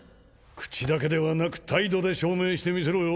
口だけではなく態度で証明してみせろよ